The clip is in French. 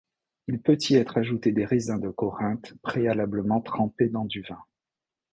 Il peut y être ajouté des raisins de Corinthe préalablement trempés dans du vin.